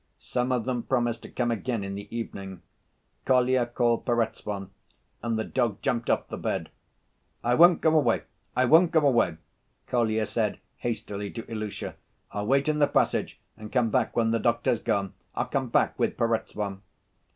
Some of them promised to come again in the evening. Kolya called Perezvon and the dog jumped off the bed. "I won't go away, I won't go away," Kolya said hastily to Ilusha. "I'll wait in the passage and come back when the doctor's gone, I'll come back with Perezvon."